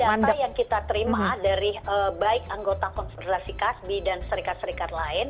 dapat data yang kita terima dari baik anggota konsentrasi kasb dan serikat serikat lain